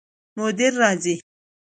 مدیر راځي؟